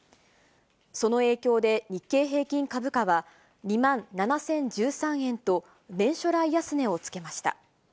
その影響で、日経平均株価は２万７０１３円と、年初来安値をつけました。